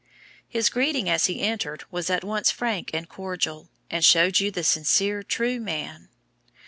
"His greeting as he entered, was at once frank and cordial, and showed you the sincere true man.